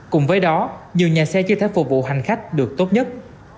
cùng với đó nhiều nhà xe chưa thể phục vụ hành khách được tốt nhất